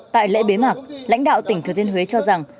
tại lễ bế mạc lãnh đạo tỉnh thừa thiên huế cho rằng